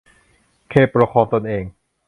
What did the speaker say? เขตปกครองตนเอง